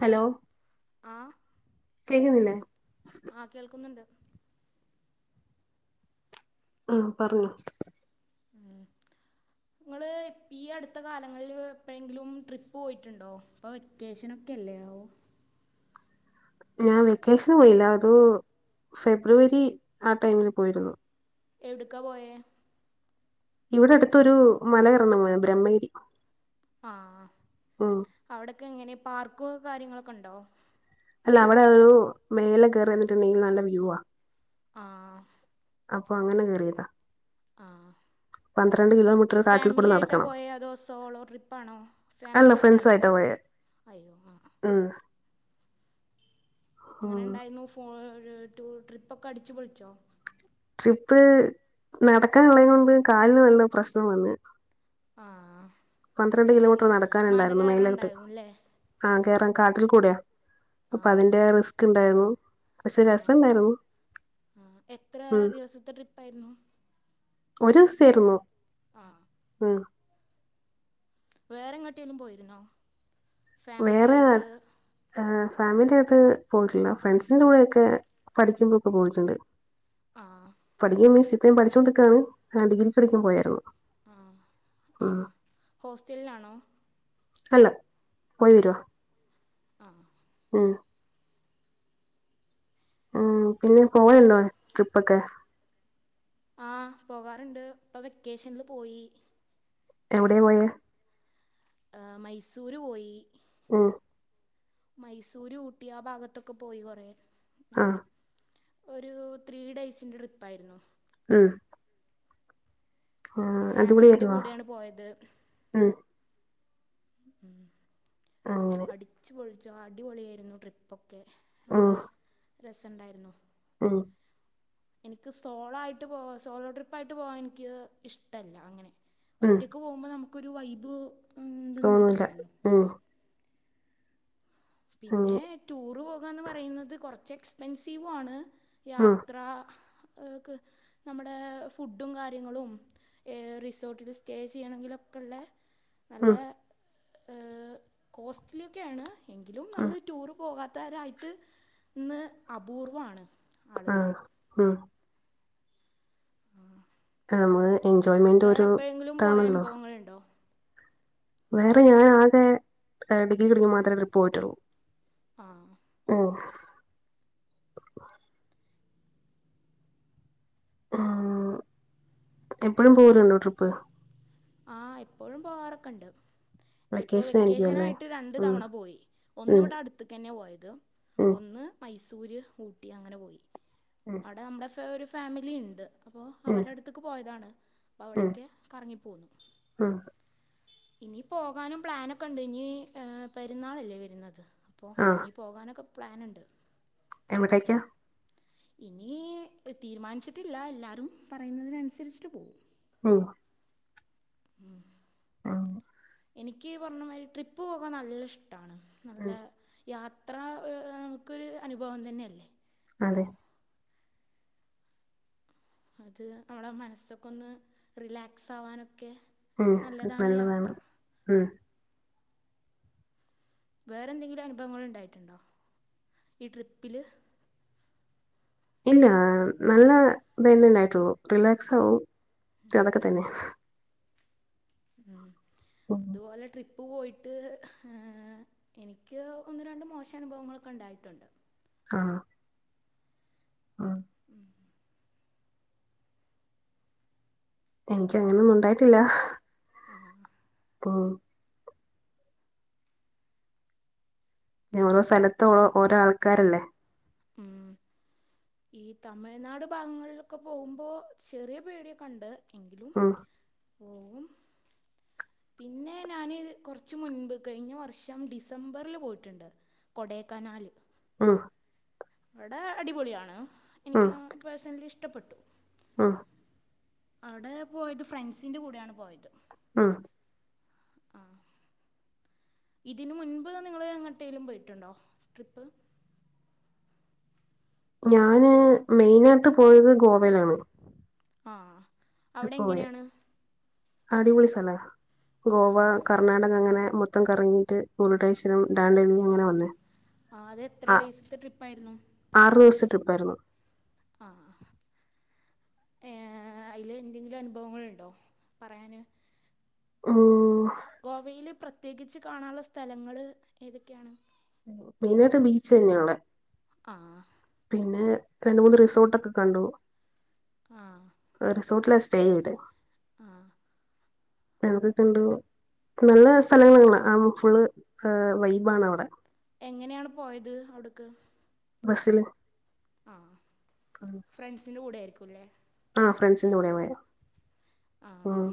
Hello ആഹ് കേക്ക്ന്നില്ലേ ആഹ് കേൾക്ക്ന്നുണ്ട് അഹ് പറഞ്ഞോ ആഹ് ഇങ്ങള് ഈ അട്ത്ത കാലങ്ങളിൽ എപ്പേഴെങ്കിലും ട്രിപ്പ് പോയിട്ട്ണ്ടോ? ഇപ്പോ വെക്കേഷനൊക്കെ ആവൂ ഞാൻ വെക്കേഷന് പോയില്ല ഒരു ഫെബ്രുവരി ആ ടൈമില് പോയിരുന്നു എവ്ട്ക്കാ പോയേ ഇവിടെ അട്ത്തൊരു മല കറണം ബ്രഹ്മയിരി ആഹ് ഉം ഔടൊക്കെ എങ്ങെനേ പാർക്കോ കാര്യങ്ങളൊക്കെ ഹ്ണ്ടോ അല്ല അവിടെ ഒരു മേലേ കയറി നിന്നിട്ട്ണ്ടെങ്കിൽ നല്ലെ വ്യൂവാ ആഹ് അപ്പൊ അങ്ങെനെ കേറിയതാ ആഹ് കിലോമീറ്റർ കാട്ടിൽ കൂടെ ഫാമിലിയായിട്ടാ നടക്കണം പോയേ അതോ സോളോ ട്രിപ്പാണോ അല്ല ഫാമിലി ആയിട്ടാണോ പോയെ അയ്യോ ആഹ് ഹ്‌മ് എങ്ങനെണ്ടായിരുന്നു ഫോ ടൂർ ട്രിപ്പ് ഒക്കെ അടിച്ചു പൊളിച്ചോ ട്രിപ്പ് നടക്കാനുള്ളയ് മുമ്പ് കാലിന് നല്ല പ്രശ്നം വന്നു ആഹ് കിലോമീറ്റർ മേലേ മല കേറാണ്ടാവും ല്ലേ ആഹ് കേറാൻ കാട്ടിൽ കൂടയാ അപ്പൊ അതിന്റെ റിസ്ക് ഇണ്ടായിരുന്നു ആഹ് ആഹ് എത്ര ഉം ദിവസത്തെ ട്രിപ്പായിരുന്നു ഒരു ഇസ ആയിരുന്നു ആ ഉം വേറെ എങ്ങാട്ടേലും പോയിരുന്നോ വേറെ ഫാമിലിയായിട്ട് ഏഹ് ഫാമിലി ഒക്കെ പോയിട്ടില്ല ഫ്രണ്ട്സിന്റെ കൂടെയൊക്കെ പഠിക്കുമ്പോഴൊക്കെ പോയിട്ടുണ്ട് ആഹ് പഠിക്ക മീൻസ് ഇപ്പോഴും പഠിച്ചോണ്ടിക്കാണ് ഞാൻ ഡിഗ്രിക്ക് പഠിക്കുമ്പോയായിരുന്നു ആഹ് ആഹ് ഹോസ്റ്റലിലാണോ അല്ല പോയി വരുവാ ആഹ് ഉം ഉം പിന്നെ പോവലുണ്ടോ ട്രിപ്പൊക്കെ ആഹ് പോകാറുണ്ട് ഇപ്പൊ വെക്കേഷനിൽ പോയി എവിടെ പോയ എഹ് മൈസൂര് പോയി ഉം മൈസൂര് ഊട്ടി ആ ഭാഗത്തൊക്കെ പോയി കൊറേ ആഹ് ഒരു ത്രീ ഡേയ്സിൻ്റെ ട്രിപ്പായിരുന്നു. ആഹ് ഫാമിലിന്റെ അടിപൊളിയായിരുന്നോ കൂടെയാണ് പോയത്. ഉം ഉം ആഹ് അടിച്ചു പൊളിച്ചു. അടിപൊളിയായിരുന്നു ട്രിപ്പൊക്കെ നല്ല ഉം രസണ്ടായിരുന്നു. ഉം എനിക്ക് സോളോ ആയിട്ട് പോവാ സോളോ ട്രിപ്പായിട്ട് പോവാൻ എനിക്ക് ഇഷ്ടല്ല അങ്ങനെ ഉം ഒറ്റക്ക് പോകുമ്പോ നമുക്കൊരു വൈബ് ഉം ഇതൊന്നും തോന്നൂല കിട്ടില്ലല്ലോ ഉം അങ്ങനെ പിന്നെ ടൂറ് പോകാന്ന് പറയുന്നത് കുറച്ച് എക്സ്പെൻസീവ് ആണ് ഉം യാത്ര യെക്ക് നമ്മുടെ ഫുഡും കാര്യങ്ങളും ഏഹ് റിസോർട്ടിൽ സ്റ്റേ ചെയ്യണങ്കിലൊക്കെ ഉള്ള നല്ല ഉം കോസ്റ്റ്ലി ഒക്കെയാണ് എങ്കിലും ഉം നമ്മൾ ടൂറ് പോകാത്തവരായിട്ട് ഇന്ന് അപൂർവാണ്. ആഹ് ഉം ഉം നമ്മൾ എൻജോയ്മെന്റ് ഒരു ഇതാണല്ലോ മഴ ഉണ്ടോ വേറെ ഞാൻ ആകെ ഡിഗ്രിക്ക്‌ മാത്രമേ പോയിട്ടള്ളൂ ആഹ് ഉം ഏഹ് എപ്പഴും പോവലുണ്ടോ ട്രിപ്പ് ആഹ് ഇപ്പോഴും പോവാറൊക്കെ ഉണ്ട് ഇപ്പൊ ആയിരിക്കും വെക്കേഷൻ അല്ലേ ആയിട്ട് രണ്ടു ഉം തവണ പോയി ഒന്ന് ഉം ഇവിടെ അടുത്ത് ക്ക്‌ന്നെയാ പോയത് ഉം ഒന്ന് മൈസൂര് ഊട്ടി അങ്ങനെ പോയി ഉം അവിടെ നമ്മുടെ ഒരു ഫാമിലി ഇണ്ട് അപ്പം ഉം അവരെ അടുത്തക്ക് പോയതാണ് അപ്പ ഉം ഉം അവിടെയൊക്കെ കറങ്ങിപ്പോന്നു. ഉം ഇനി പോകാനും പ്ലാനൊക്കെ ഇണ്ട് ഇനി ഏഹ് പെരുന്നാളല്ലേ വരുന്നത് അപ്പോൾ ആഹ് ഇനി പോകാനൊക്കെ പ്ലാനുണ്ട് എവിടേക്കാ? ഇനി തീരുമാനിച്ചിട്ടില്ല എല്ലാരും പറയുന്നതിനനുസരിച്ചിട്ട് പോവും ഉം ഉം ഉം എനിക്ക് ഈ പറഞ്ഞ മാതിരി ട്രിപ്പ് പോവാൻ നല്ല ഇഷ്ട്ടാണ് നല്ല ഉം യാത്ര ഏഹ് എനക്കൊരു അനുഭവം തന്നെ അല്ലേ അതെ അത് നമ്മളെ മനസ്സൊക്കെ ഒന്ന് റിലാക്സ് ആവാനൊക്കെ ഉം ഈ നല്ലതാണ് യാത്ര ഉം വേറെ എന്തെങ്കിലും അനുഭവങ്ങൾ ഇണ്ടായിട്ടുണ്ടോ ഈ ട്രിപ്പില് ഇല്ല നല്ല ഇതന്നെണ്ടായിട്ടുള്ളു റിലാക്സ് ആവും അതൊക്കെ തന്നെയാ ഉം ഉം ഇതുപോലെ ട്രിപ്പ് പ്പ് പോയിട്ട് എനിക്ക് ഒന്ന് രണ്ട് മോശ അനുഭവങ്ങളൊക്കെ ഇണ്ടായിട്ടുണ്ട് ആഹ് ആഹ് ഉം എനിക്ക് അങ്ങനെയൊന്നും ഉണ്ടായിട്ടില്ല ആഹ് ഉം പിന്നെ ഓരോ സ്ഥലത്ത് ഓരോ ആൾക്കാരല്ലേ ഉം ഈ തമിഴ്നാട് ഭാഗങ്ങളിലൊക്കെ പോകുമ്പോ ചെറിയ പേടിയൊക്കെയുണ്ട് എങ്കിലും ഉം പോവും പിന്നെ ഞാന് കൊറച്ച് മുൻപ് കഴിഞ്ഞ വർഷം ഡിസംബറിൽ പോയിട്ടുണ്ട് കൊടൈക്കനാല് ഉം അവിടെ അടിപൊളിയാണ് ഉം എനിക്ക് പേഴ്സണലി ഇഷ്ടപ്പെട്ടു ഉം അവിടെ പോയത് ഫ്രണ്ട്സിൻ്റെ കൂടെയാണ് പോയത് ഉം ആഹ് ഇതിന് മുൻപ് നിങ്ങള് എങ്ങട്ടേലും പോയിട്ടുണ്ടോ ട്രിപ്പ്? ഞാന് മെയിനായിട്ട് പോയത് ഗോവയിലാണ് ആഹ് ട്രിപ്പ് പോയെ അടിപൊളി സ്ഥലാ ആ ഗോവാ കർ കർണാടക അങ്ങനെ മൊത്തം കറങ്ങിയിട്ട് [unintelligible] അങ്ങനെ വന്നേ ആ അത് എത്ര ആഹ് ഡേയ്സത്തെ ട്രിപ്പായിരുന്നു ആറു ദിവസത്തെ ട്രിപ്പായിരുന്നു ആ, അ. ഏ അയില് എന്തെങ്കിലുംഅനുഭവങ്ങളുണ്ടോ പറയാന് ഉം. ഗോവയിലൽ പ്രത്യേകിച്ച് കാണാനുള്ള സ്ഥലങ്ങൾ ഏതൊക്കെയാണ്? മെയിനായിട്ട് ബീച്ചന്ന്യാള്ള. ആ. പിന്നെ രണ്ട് മൂന്ന് റിസോർട്ടൊക്കെ കണ്ടു. ആ റിസോർട്ടില സ്റ്റേ ചെയ്തെ. ആ എന്തൊക്കെ ഉണ്ട്? നല്ല സ്ഥലങ്ങള, ആ ഫുള് വൈബാണവിടെ എങ്ങനെയാണ് പോയത് അവിട്ക്? ബസ്സില്- ആ, ഫ്രണ്ട്സിന്റെ കൂടെ ആയിരിക്കുല്ലേ ആ ഫ്രണ്ട്സിന്റെ കൂടെയാ പോയെ. ആ. ഉം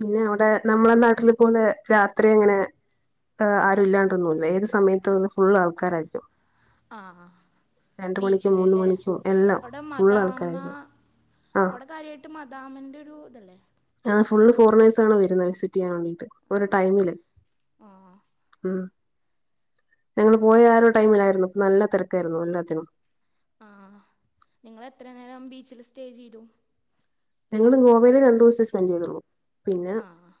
പിന്നെ അവിടെ നമ്മളെ നാട്ടിലെ പോലെ രാത്രി എങ്ങനെ? അ ആരുല്ലാണ്ടൊന്നുല്ല ഏത് സമയത്തുന്ന് ഫുള്ളാൾക്കാരായിരിക്കും. ആ, ആ മണിക്കും മൂന്ന് ബീച്ചിലല്ലേ, മണിക്കും എല്ലാം അവിടെ ഫുൾ മതാമ്മ ആൾക്കാരായിരിക്കും ആഹ് അവിടെ കാര്യായിട്ട് മദാമ്മന്റൊരു ഇതല്ലേ? ആ, അവിടെ ഫുള്ള് ഫോറിനേയ്സ് ആണ് വരുന്നത് വിസിറ്റ് ചെയ്യാൻ വേണ്ടീട്ട് ആ ഓരോ ടൈമില് ആ ഉം, ഞങ്ങൾ പോയ ആ ഒരു ടൈമിലായിരുന്നു നല്ല തെരക്കായിരുന്നു എല്ലാത്തിനും. ആ, നിങ്ങളെത്ര നേരം ബീച്ചിൽ സ്റ്റേ ചെയ്തു. ഞങ്ങൾ ഗോവായിൽ രണ്ടു ദിവസം സ്പെൻഡ് ചെയ്തുള്ളു പിന്നെ ആ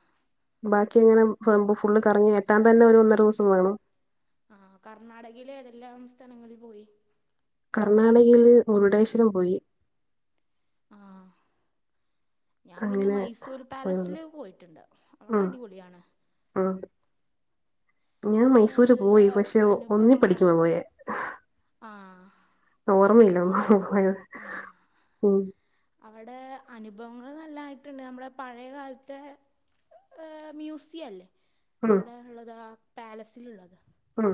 ബാക്കി എങ്ങനെപോവുമ്പോ ഫുള്ള് കറങ്ങി എത്താൻ തന്നെ ഒന്നര ദിവസം വെണോ? ആ, കർണാടകയിൽ ഏതെല്ലാം സ്ഥലങ്ങളിൽ പോയി? കർണാടകയില് മുരുടേശ്വരം പോയി. ആ. ഞാൻ പിന്നെ അങ്ങനെ മൈസൂർ പോയി പാലസിൽ വന്നു പോയിട്ടുണ്ട് അവിടെ അടിപൊളിയാണ്. മ് [unintelligible] ഞാൻ ആ, മൈസൂര് നല്ല പോയി പക്ഷെ ഒന്നിൽ പഠിക്കുമ്പ അനുഭവങ്ങളാണ് പോയേ ആ ഓർമ്മയില്ല അവിടെ ഒന്നും ആ [unintelligible] അവിടെ അനുഭവങ്ങൾ നല്ലായിട്ടുണ്ട്. നമ്മുടെ പഴയകാലത്തെ എഹ്, മ്യൂസിയം അല്ലേ? ഉം അവിടെ ഉള്ളത് ആ പാലസിലുള്ളത്. ഉം.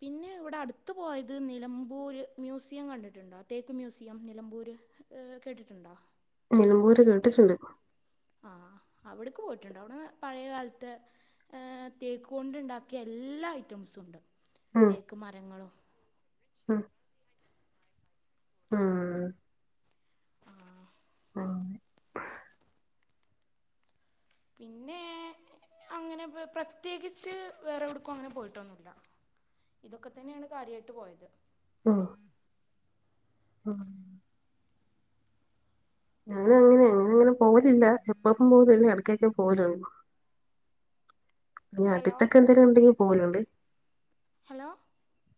പിന്നെ ഇവിടെ അടുത്ത് പോയത് നിലമ്പൂർ മ്യൂസിയം കണ്ടിട്ടുണ്ടോ? തേക്ക് മ്യൂസിയം നിലമ്പൂർ എഹ് കേട്ടിട്ടുണ്ടോ? നിലമ്പൂർ കേട്ടിട്ടുണ്ട്. ആഹ അവിടക്ക് പോയിട്ടുണ്ട് അവിടെ പഴയ കാലത്ത് ഏ, തേക്ക് കൊണ്ട് ഉണ്ടാക്കിയ എല്ലാ ഐറ്റംസും ഉണ്ട് ഉം തേക്ക് മരങ്ങളും ഉം. ആ ആഹ അങ്ങനെ പിന്നെ അങ്ങനെ പ്രത്യേകിച്ച് വേറെ എവിടക്കും അങ്ങനെ പോയിട്ടൊന്നുമില്ല. ഇതൊക്കെ തന്നെയാണ് കാര്യയായിട്ട് പോയത്. ഉം. ആഹ് ഞാനങ്ങനെ അങ്ങനെയൊന്നും പോകലില്ല എപ്പഴും എപ്പഴും പോകലില്ല ഇടക്കൊക്കെയേ പോകലുള്ളൂ ഇനി ഹലോ അടുത്തൊക്കെ എന്തേലും ഉണ്ടെങ്കിൽ പോകലുണ്ട് ഹലോ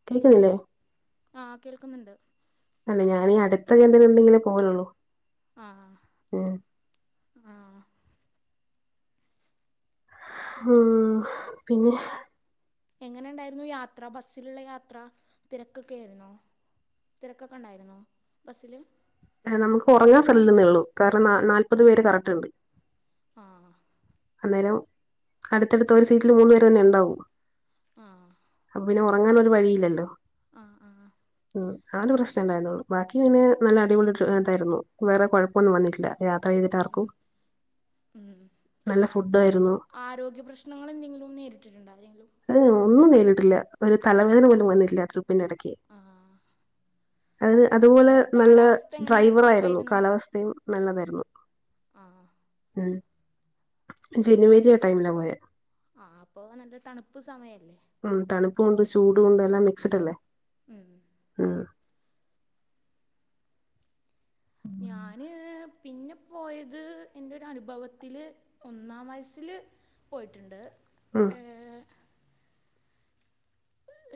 കേക്കുന്നില്ലേ ആഹ് കേൾക്കുന്നുണ്ട് അല്ല ഞാനീ അടുത്ത് എവിടെങ്കിലും ഉണ്ടെങ്കിലേ പോകലുള്ളൂ ആഹ് ആഹ് ഉം പിന്നെ എങ്ങനുണ്ടായിരുന്നു യാത്ര ബസ്സിലുള്ള യാത്ര തിരക്കൊക്കെ ആയിരുന്നോ തിരക്കൊക്കെ ഉണ്ടായിരുന്നോ ബസ്സില് ആഹ് നമുക്ക് ഉറങ്ങാൻ സ്ഥലമില്ലന്നേ ഉള്ളൂ കാരണം നാല്പത് പേര് കറക്റ്റ് ഉണ്ട് ആഹ് അന്നേരം അടുത്തടുത്ത് ഒരു സീറ്റില് മൂന്ന് പേര് തന്നെ ഉണ്ടാവും ആഹ് അപ്പൊ പിന്നെ ഉറങ്ങാന് ഒരു വഴിയില്ലല്ലോ ആഹ് ആഹ് ഉം ആ ഒരു പ്രശ്നം ഇണ്ടായിരുന്നുള്ളു ബാക്കി പിന്നെ നല്ല അടിപൊളി ഡ്ര ഇതായിരുന്നു വേറെ കൊഴപ്പവൊന്നും വന്നിട്ടില്ല യാത്ര ചെയ്തിട്ട് ആർക്കും ഉം ഉം നല്ല ഫുഡ് ആയിരുന്നു ആരോഗ്യ പ്രശ്നങ്ങള് എന്തെങ്കിലും നേരിട്ടിട്ടുണ്ടോ ആരെങ്കിലും ഏ ഒന്നും നേരിട്ടില്ല ഒരു തലവേദന പോലും വന്നിട്ടില്ല ട്രിപ്പിന്റെ ഇടക്ക് ആ അത് അതുപോലെ ഏഹ് നല്ല കാലാവസ്ഥ എങ്ങനെ ഡ്രൈവർ ആയിരുന്നു കാലാവ സ്ഥയും നല്ലതായിരുന്നു ആഹ് ഉം ജനുവരി ആ ടൈമിലാ പോയേ ആഹ് അപ്പൊ നല്ല തണുപ്പ് സമയല്ലേ ഉം തണുപ്പും ഉണ്ട് ചൂടുമുണ്ട് എല്ലാം മിക്സിഡ് അല്ലേ ഉം ആഹ് ഞാന് പിന്നെ പോയത് എന്റെ ഒരു അനുഭവത്തില് ഒന്നാം വയസില് പോയിട്ടുണ്ട് ആഹ് ഏഹ്,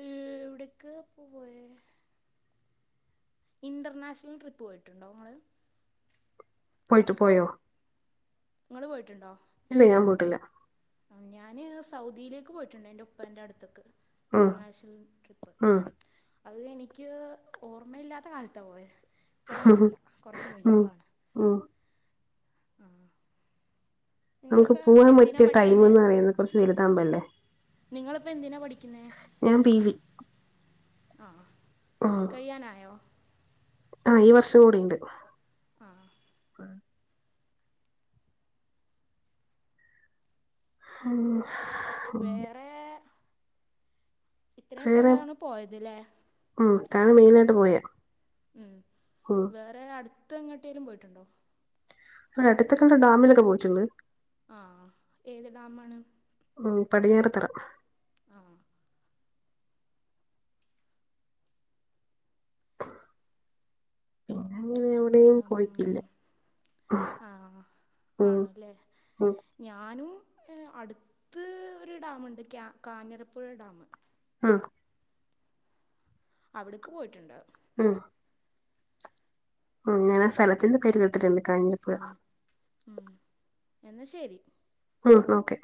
എവിടേക്കാ ഇപ്പൊ പോയേ ഇന്റർനാഷണൽ ട്രിപ്പ് പോയിട്ടുണ്ടോ നിങ്ങള് പോയിട്ട് പോയോ നിങ്ങള് പോയിട്ടുണ്ടോ ഇല്ല ഞാൻ പോയിട്ടില്ല ഞാന് സൗദിയിലേക്ക് പോയിട്ടുണ്ട് എന്റെ ഉപ്പാന്റെ അടുത്തിക്ക് ഉം ഇന്റർനാഷണൽ ട്രിപ്പ് ഉം അത് എനിക്ക് ഓർമ്മയില്ലാത്ത കാലത്താ പോയത് ഇപ്പോളൊന്നും അല്ല കുറച്ച് ഉം മുൻപാണ് ഉം ആഹ് നമുക്ക് പോകാൻ എന്തിനാണ് പറ്റിയ പഠിക്കുന്നത് ടൈമെന്ന് പറയുന്നത് കുറച്ച് വലുതാമ്പോ അല്ലേ നിങ്ങളിപ്പോ എന്തിനാ പഠിക്കുന്നേ ഞാൻ പി ജി ആഹ് ഉം കഴിയാനായോ ആഹ് ഈ വർഷം കൂടിയുണ്ട് ആഹ് ഉ വേറെ ഇത്രയും വേറെ സ്ഥലാണ് പോയത് ല്ലേ ഉം ഇതാണ് മെയിനായിട്ട് പോയെ. ഉം ഹും വേറെ അടുത്ത് എങ്ങട്ടേലും പോയിട്ടുണ്ടോ? ഇവടെ അടുത്ത രണ്ട് ഡാമിലൊക്കെ പോയിട്ടുണ്ട്. ആഹ്. ഏത് ഡാമാണ്? ഉം പടിഞ്ഞാറെതറ. ആഹ് പിന്നെ [unintelligible] വീട്ട് ല് പോയിട്ടില്ല. ആ ഉം. ആണല്ലേ ഹും ഞാനും എഹ് അടുത്ത് ഒരു ഡാമുണ്ട് ക്യാ കാഞ്ഞിരപ്പുഴ ഡാം. ആഹ് അവിട്ക്ക് പോയിട്ടുണ്ട്. ഉം ഉം ഞാനാ സ്ഥലത്തിന്റെ പേര് കേട്ടിട്ടുണ്ട് കാഞ്ഞിപ്പുഴ. ഉം എന്നാ ശരി. ഉം ഓക്കെ.